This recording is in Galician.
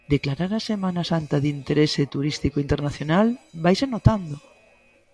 Declarar a Semana Santa de interese turístico internacional vaise notando.